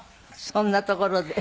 「そんなところで」。